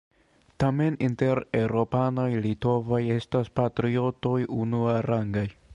Tamen inter eŭropanoj litovoj estas patriotoj unuarangaj.